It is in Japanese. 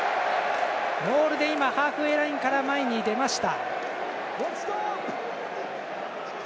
モールでハーフウェーラインから前に出ました。